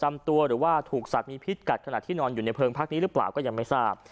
ตัวหรือว่าถูกสัตว์มีพิษกัดขณะที่นอนอยู่ในเพลิงพักนี้หรือเปล่าก็ยังไม่ทราบ